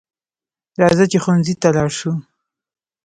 راځه چې ښوونځي ته لاړ شو